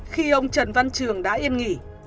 khi ông trần văn trường đã yên nghỉ